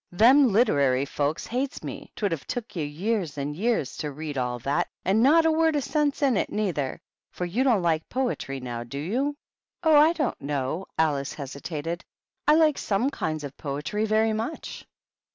" Them literary fellows hates me. 'Twould have took you years and years to read all that, and not a word o' sense in it, neither; for you don't like poetry, now, do your 184 THE BISHOPS. " Oh, I don't know," Alice hesitated. " I like some kinds of poetry very much."